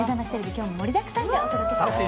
今日も盛りだくさんでお届けします。